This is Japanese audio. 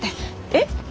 えっ？